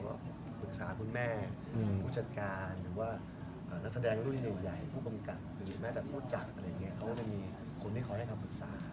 แม้แต่พูดจักรอะไรอย่างเงี้ยเขาก็จะมีคนที่ขอได้คำปรึกษา